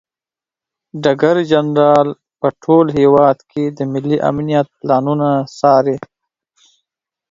ډګر جنرال په ټول هیواد کې د ملي امنیت پلانونه څاري.